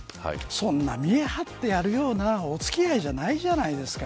そんな見栄を張ってやるような付き合いじゃないじゃないですか。